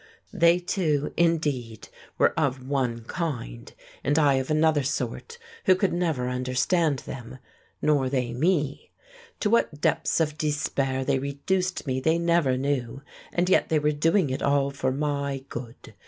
They two, indeed, were of one kind, and I of another sort who could never understand them, nor they me. To what depths of despair they reduced me they never knew, and yet they were doing it all for my good!